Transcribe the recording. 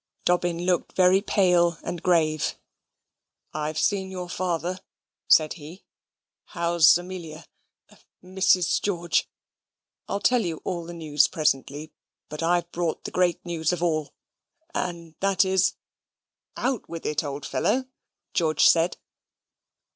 Dobbin looked very pale and grave. "I've seen your father," said he. "How's Amelia Mrs. George? I'll tell you all the news presently: but I've brought the great news of all: and that is " "Out with it, old fellow," George said.